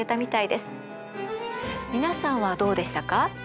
皆さんはどうでしたか？